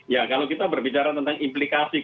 ya kalau kita berbicara tentang implikasi